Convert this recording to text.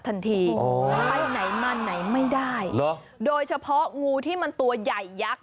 ทันทีไปไหนมันไหนไม่ได้โดยเฉพาะงูที่มันตัวใหญ่ยักษ์